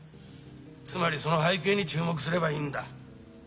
つまりその背景に注目すればいいんだ。